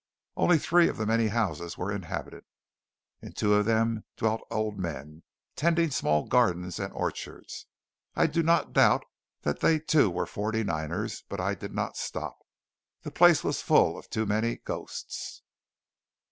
Only three of the many houses were inhabited. In two of them dwelt old men, tending small gardens and orchards. I do not doubt they too were Forty niners; but I did not stop. The place was full of too many ghosts.